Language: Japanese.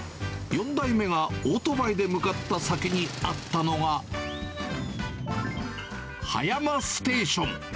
４代目がオートバイで向かった先にあったのが、葉山ステーション。